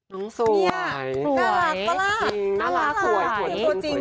นี่น่ารักปะล่ะน่ารักตัวจริงตัวจริง